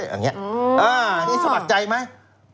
อันนี้สมัครใจไหม